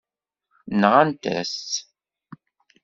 Nɣant-as-tt.